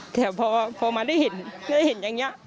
แต่พอมาได้เห็นได้เห็นอย่างนี้